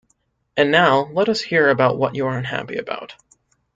And now, let us hear what you are unhappy about.